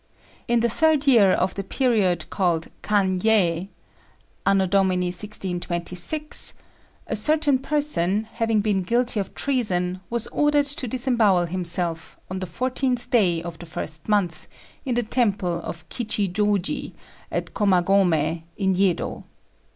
In the third year of the period called Kan yei (A.D. 1626), a certain person, having been guilty of treason, was ordered to disembowel himself, on the fourteenth day of the first month, in the temple of Kichijôji, at Komagomé, in Yedo.